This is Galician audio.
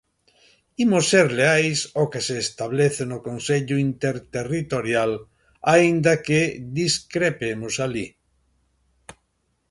Imos ser leais ao que se establece no Consello Interterritorial, aínda que discrepemos alí.